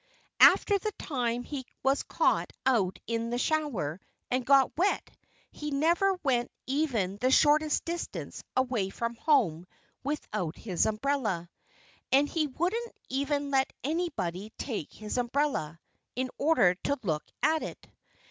After the time he was caught out in the shower and got wet he never went even the shortest distance away from home without his umbrella. And he wouldn't even let anybody take his umbrella, in order to look at it.